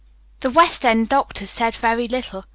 The West End doctors said very little.